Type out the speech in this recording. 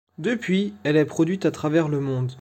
Depuis, elle est produite à travers le monde.